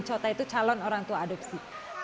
cota itu calon orang tua adopsi